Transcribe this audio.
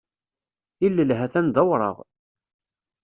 Ilel ha-t-an d awraɣ.